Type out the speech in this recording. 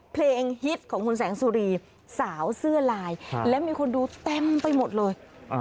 เพลงฮิตของคุณแสงสุรีสาวเสื้อลายและมีคนดูเต็มไปหมดเลย